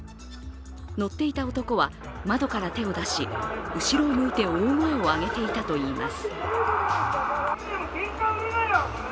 乗っていた男は、窓から手を出し、後ろを向いて大声を上げていたといいます。